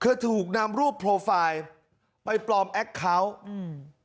ถูกนำรูปโปรไฟล์ไปปลอมแอคเคาน์อืม